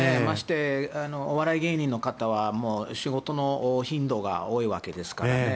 ましてお笑い芸人の方は仕事の頻度が多いわけですからね。